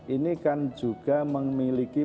ini kan juga memiliki